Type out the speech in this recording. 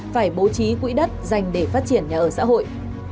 phải bố trí quỹ đất dành để phát triển nhà ở xã hội